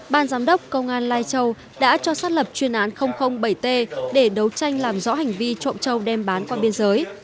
ban giám đốc công an lai châu đã cho xác lập chuyên án bảy t để đấu tranh làm rõ hành vi trộm châu đem bán qua biên giới